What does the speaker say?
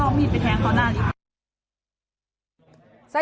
ก็มีดไปแทงเขาหน้าดี